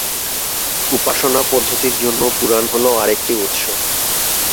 উপাসনা পদ্ধতির জন্য পুরাণ হল আরেকটি উৎস।